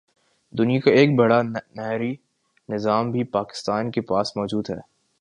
دنیا کا ایک بڑا نہری نظام بھی پاکستان کے پاس موجود ہے